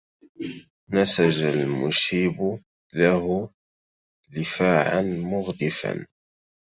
نسج المشيب له لفاعا مغدفا